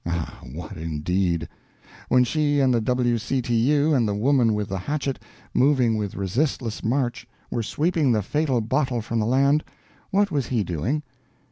Ah, what, indeed! When she and the W. C. T. U. and the Woman with the Hatchet, moving with resistless march, were sweeping the fatal bottle from the land, what was he doing?